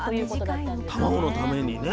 卵のためにね。